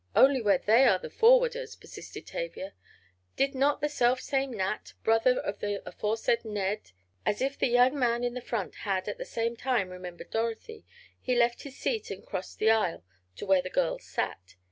"Only where they are the forwarders," persisted Tavia. "Did not the selfsame Nat, brother to the aforesaid Ned——" As if the young man in front had at the same time remembered Dorothy, he left his seat and crossed the aisle to where the girls sat.